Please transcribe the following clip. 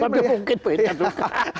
coba dipungkit pak